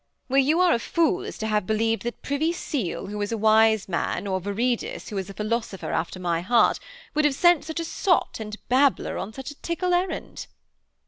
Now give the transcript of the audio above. Where you are a fool is to have believed that Privy Seal, who is a wise man, or Viridus, who is a philosopher after my heart, would have sent such a sot and babbler on such a tickle errand.'